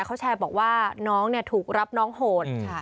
เขาแชร์บอกว่าน้องเนี่ยถูกรับน้องโหดอืม